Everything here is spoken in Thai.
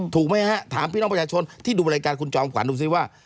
ถูกไหมฮะถามพี่น้องประชาชนที่ดูรายการคุณจอมขวัญดูซิว่า